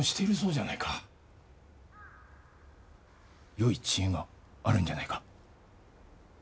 よい知恵があるんじゃないか？